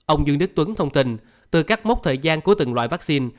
ông dương đức tuấn thông tin từ các mốc thời gian của từng loại vaccine